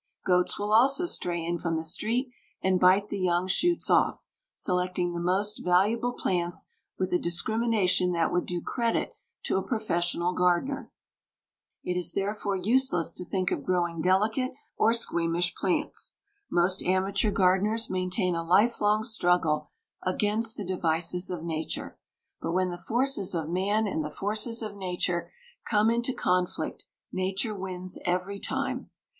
Goats will also stray in from the street, and bite the young shoots off, selecting the most valuable plants with a discrimination that would do credit to a professional gardener. It is therefore useless to think of growing delicate or squeamish plants. Most amateur gardeners maintain a lifelong struggle against the devices of Nature; but when the forces of man and the forces of Nature come into conflict Nature wins every time.